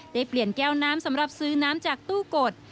ได้เปลี่ยนแก้วน้ำสำหรับซื้อน้ำจากตู้กด